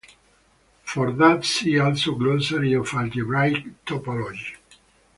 For that see also glossary of algebraic topology.